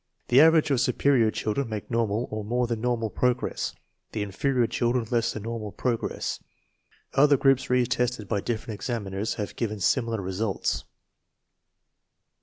The average or su perior children make normal or more than normal progress; the inferior children less than normal pro gress. Other groups re tested by different examiners have given similar results.